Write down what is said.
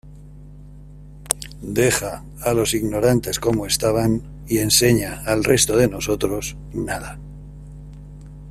Deja a los ignorantes como estaban y enseña al resto de nosotros nada.